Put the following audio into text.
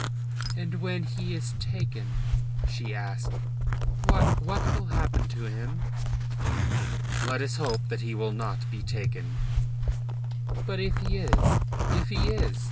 "And when he is taken," she asked, "what what will happen to him?" "Let us hope that he will not be taken." "But if he is if he is?"